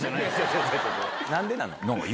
何でなの？